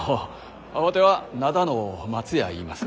わては灘の松屋いいます。